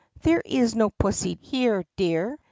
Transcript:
"There is no pussy here, dear.